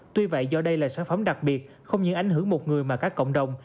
tuy vậy do đây là sản phẩm đặc biệt không những ảnh hưởng một người mà cả cộng đồng